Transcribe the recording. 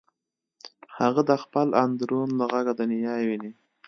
هغه د خپل اندرون له غږه دنیا ویني